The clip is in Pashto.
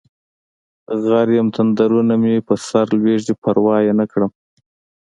غر یم تندرونه مې په سرلویږي پروا یې نکړم